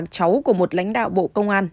cháu của một lãnh đạo bộ công an